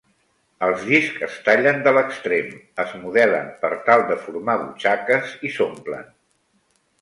Els discs es tallen de l'extrem, es modelen per tal de formar butxaques i s'omplen.